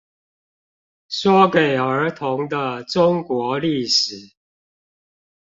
說給兒童的中國歷史